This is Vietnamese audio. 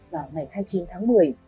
vào ngày hai mươi chín tháng một mươi